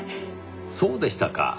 そうでしたか。